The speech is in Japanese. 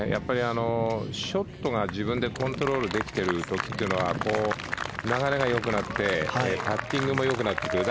ショットが自分でコントロールできている時は流れが良くなってパッティングも良くなってくる。